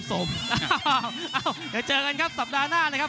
อย่าเจอกันครับสัปดาห์หน้านะครับ